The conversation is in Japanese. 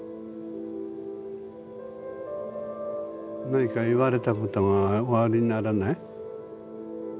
何か言われたことがおありにならない？